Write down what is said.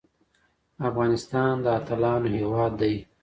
افغانستان د اتلانو هیواد دی